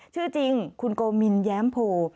ชื่อจริงคุณโกมินแย้มโพ